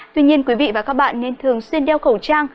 tuy nhiên quý vị và các bạn nên thường xuyên đeo khẩu trang